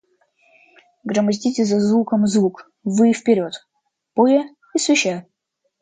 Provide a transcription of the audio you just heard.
Громоздите за звуком звук вы и вперед, поя и свища.